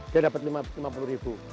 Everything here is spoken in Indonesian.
dia dapat rp lima puluh